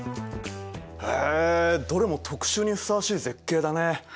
へえどれも特集にふさわしい絶景だね。